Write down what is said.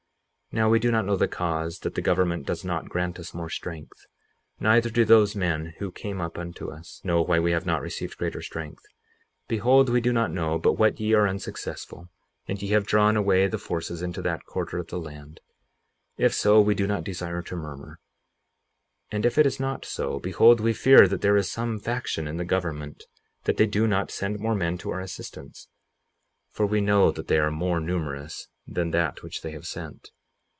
58:34 Now we do not know the cause that the government does not grant us more strength; neither do those men who came up unto us know why we have not received greater strength. 58:35 Behold, we do not know but what ye are unsuccessful, and ye have drawn away the forces into that quarter of the land; if so, we do not desire to murmur. 58:36 And if it is not so, behold, we fear that there is some faction in the government, that they do not send more men to our assistance; for we know that they are more numerous than that which they have sent.